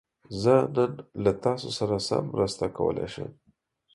زه نن له تاسو سره څه مرسته کولی شم؟